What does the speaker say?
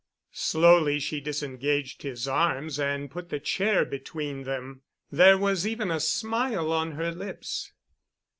Slowly she disengaged his arms and put the chair between them. There was even a smile on her lips.